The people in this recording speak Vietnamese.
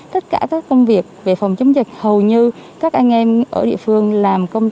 tất cả các công việc về phòng chống dịch hầu như các anh em ở địa phương làm công